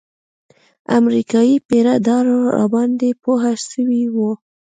امريکايي پيره دار راباندې پوه سوى و.